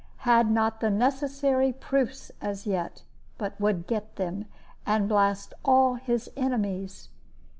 Had not the necessary proofs as yet, but would get them, and blast all his enemies.